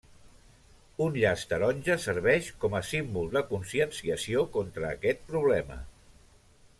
Un llaç taronja serveix com a símbol de conscienciació contra aquest problema.